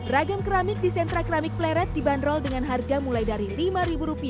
ragam keramik di sentra keramik pleret dibanderol dengan harga mulai dari rp lima